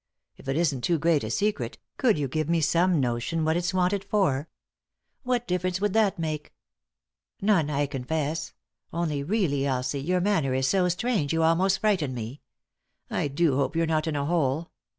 If it isn't too great a secret, could you give me some notion what it's wanted for ?"" What difference would that make ?" "None, I confess. Only, really, Elsie, your manner is so strange you almost frighten me. I do hope you're not in a bote.